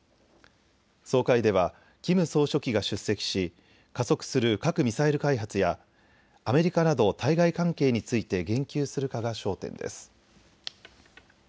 総会ではキム総書記が出席し加速する核・ミサイル開発やアメリカなど対外関係について言及するかが焦点です。